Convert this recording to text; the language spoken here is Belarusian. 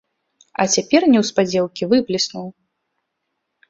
А цяпер неўспадзеўкі выбліснуў.